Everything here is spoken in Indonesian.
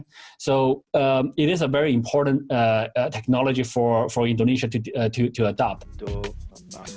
jadi ini adalah teknologi yang sangat penting untuk indonesia untuk mengadopsi